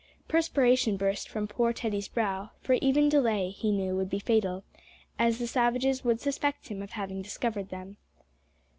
Perspiration burst from poor Teddy's brow, for even delay, he knew, would be fatal, as the savages would suspect him of having discovered them.